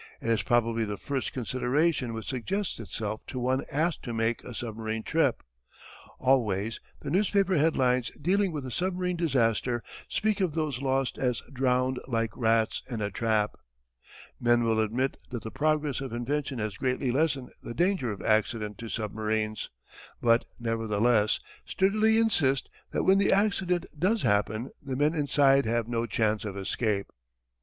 It is probably the first consideration which suggests itself to one asked to make a submarine trip. Always the newspaper headlines dealing with a submarine disaster speak of those lost as "drowned like rats in a trap." Men will admit that the progress of invention has greatly lessened the danger of accident to submarines, but nevertheless sturdily insist that when the accident does happen the men inside have no chance of escape.